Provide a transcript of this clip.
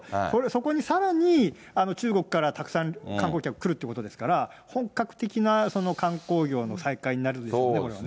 そこにさらに中国からたくさん観光客来るっていうことですから、本格的な観光業の再開になるでしょうね、これはね。